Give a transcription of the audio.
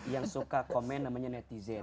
yang suka komen namanya netizen